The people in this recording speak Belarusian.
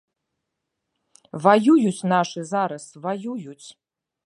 Ваююць нашы зараз, ваююць.